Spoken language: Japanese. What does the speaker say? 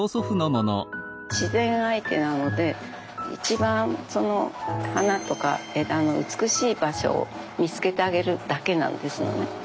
自然相手なので一番その花とか枝の美しい場所を見つけてあげるだけなんですよね。